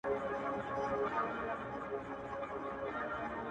اوس رستم غوندي ورځم تر كندوگانو!!